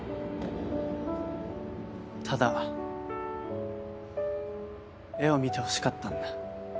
ただ絵を見てほしかったんだ。